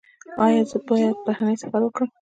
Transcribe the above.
ایا زه باید بهرنی سفر وکړم؟